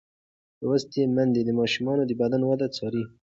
لوستې میندې د ماشوم د بدن وده څاري.